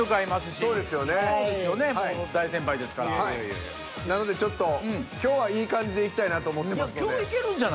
もうなのでちょっと今日はいい感じでいきたいなと思ってますので。